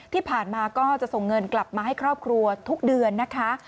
ที่ผ่านมาก็จะส่งเงินกลับมาให้ครอบครัวทุกเดือนนะคะ